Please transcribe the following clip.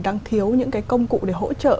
đang thiếu những cái công cụ để hỗ trợ